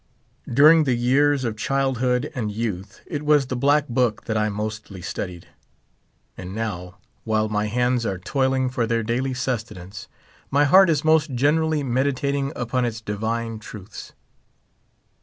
During the years of child hood and youth it was the black book that I mostly studied ; and now, while my hands are toiling for their daily sustenance, m}" heart is most generally meditatluu" upon its divine truths.